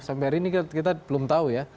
sampai hari ini kita belum tahu ya